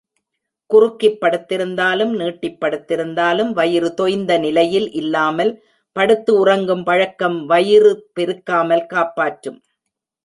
குறுக்கிப் படுத்திருந்தாலும், நீட்டிப் படுத்திருந்தாலும் வயிறு தொய்ந்த நிலையில் இல்லாமல் படுத்து உறங்கும் பழக்கம் வயிறு பெருக்காமல் காப்பாற்றும்.